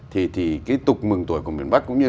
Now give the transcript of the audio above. thì cái tục mừng tuổi của miền bắc cũng như